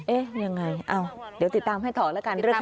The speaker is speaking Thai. เอ๊ะยังไงเดี๋ยวติดตามให้ถอดแล้วกันเลือกขยะ